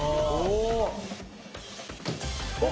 お！